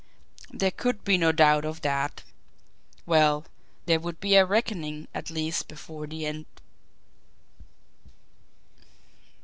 There could be no doubt of that. Well, there would be a reckoning at least before the end!